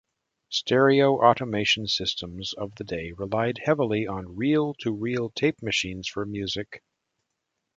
Stereo automation systems of the day relied heavily on reel-to-reel tape machines for music.